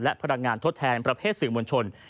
และพลังงานทดแทนประเภทสื่อมวลชน